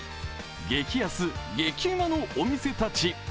激安、激うまのお店たち。